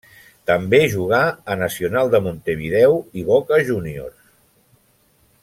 També jugà a Nacional de Montevideo i Boca Juniors.